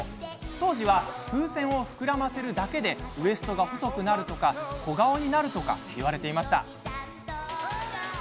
当時は、風船を膨らませるだけでウエストが細くなるとか小顔になるとか言われていました。